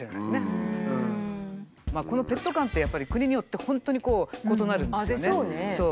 このペット観ってやっぱり国によって本当に異なるんですよね。